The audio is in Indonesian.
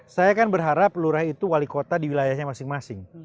saya kan berharap lurah itu wali kota di wilayahnya masing masing